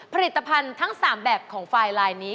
ผลิตภัณฑ์ทั้ง๓แบบของไฟล์ลายนี้